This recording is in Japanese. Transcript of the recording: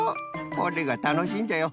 これがたのしいんじゃよ。